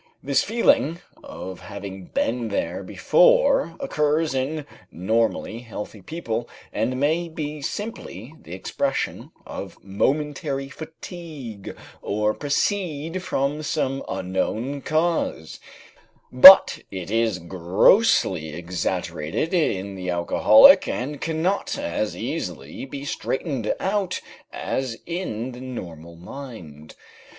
This feeling of having been there before occurs in normal, healthy people, and may be simply the expression of momentary fatigue, or proceed from some unknown cause; but it is grossly exaggerated in the alcoholic, and cannot as easily be straightened out as in the normal mind.